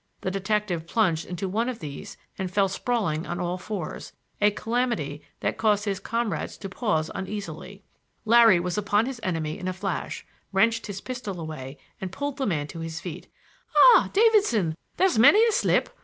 The detective plunged into one of these and fell sprawling on all fours,—a calamity that caused his comrades to pause uneasily. Larry was upon his enemy in a flash, wrenched his pistol away and pulled the man to his feet. "Ah, Davidson! There's many a slip!